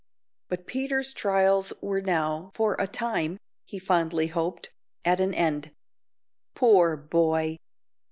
But Peter's trials were now, for a time, he fondly hoped, at an end. Poor boy!